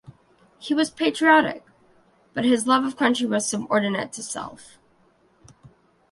He was patriotic, but his love of country was subordinate to self.